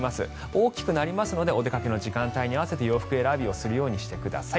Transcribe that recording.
大きくなりますのでお出かけの時間帯に合わせて洋服選びをするようにしてください。